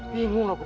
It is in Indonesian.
bingung pak cik